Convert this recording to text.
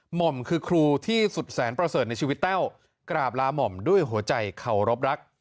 ห่อมคือครูที่สุดแสนประเสริฐในชีวิตแต้วกราบลาหม่อมด้วยหัวใจเคารพรัก